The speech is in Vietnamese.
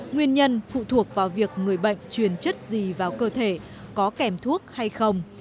nguyên nhân phụ thuộc vào việc người bệnh truyền chất gì vào cơ thể có kèm thuốc hay không